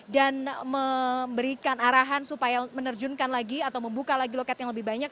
dan memberikan arahan supaya menerjunkan lagi atau membuka lagi loket yang lebih banyak